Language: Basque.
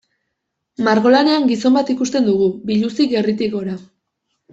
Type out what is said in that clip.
Margolanean gizon bat ikusten dugu, biluzik gerritik gora.